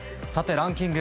ランキング